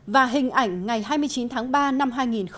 và hình ảnh ngày hai mươi chín tháng ba năm hai nghìn tám